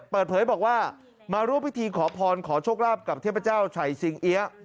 เปิดเผยบอกว่ามาร่วมพิธีขอพรขอโชคลาภกับเทพเจ้าไฉสิงเอี๊ยะ